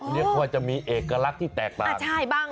เรียกว่าจะมีเอกลักษณ์ที่แตกต่าง